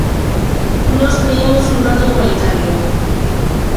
Nós pedimos un trato igualitario.